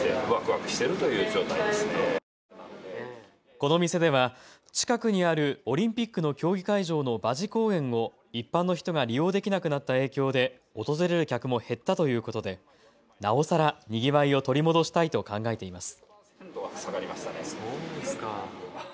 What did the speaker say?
この店では近くにあるオリンピックの競技会場の馬事公苑を一般の人が利用できなくなった影響で訪れる客も減ったということでなおさらにぎわいを取り戻したいと考えています。